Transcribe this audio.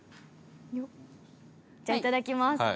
じゃあいただきます。